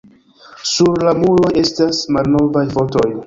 Sur la muroj estas malnovaj fotoj.